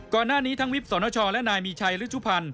ก่อนหน้านี้ทั้งวิบสนชและนายมีชัยฤชุพันธ์